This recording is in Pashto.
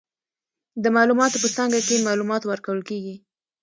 د معلوماتو په څانګه کې، معلومات ورکول کیږي.